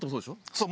そう。